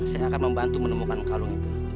saya akan membantu menemukan karung itu